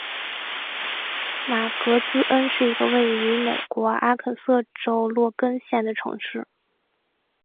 马格兹恩是一个位于美国阿肯色州洛根县的城市。